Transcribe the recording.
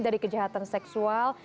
dari kejahatan seksual